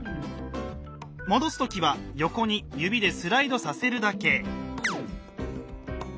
戻す時は横に指でスライドさせるだけ。